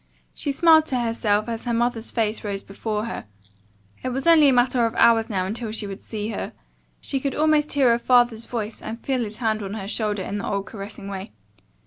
She smiled to herself as her mother's face rose before her. It was only a matter of hours now until she would see her. She could almost hear her father's voice and feel his hand on her shoulder in the old caressing way.